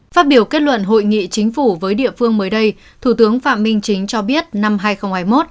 phát biểu kết luận hội nghị chính phủ với địa phương mới đây thủ tướng phạm minh chính cho biết năm hai nghìn hai mươi một